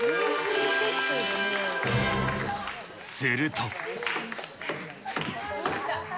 すると。